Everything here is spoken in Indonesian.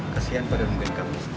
kasian pada mungkin kamu